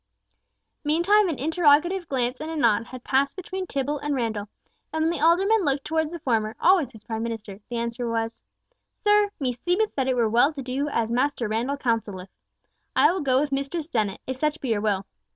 Meantime an interrogative glance and a nod had passed between Tibble and Randall, and when the alderman looked towards the former, always his prime minister, the answer was, "Sir, meseemeth that it were well to do as Master Randall counselleth. I will go with Mistress Dennet, if such be your will.